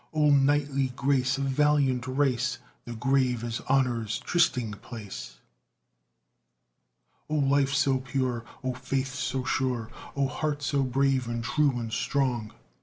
O knightly grace Of valiant race, The grave is honor's trysting place! O life so pure! O faith so sure! O heart so brave, and true, and strong!